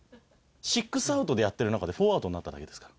６アウトでやってる中で４アウトになっただけですから。